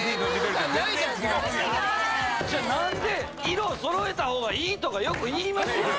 色をそろえた方がいいとかよく言いますやん！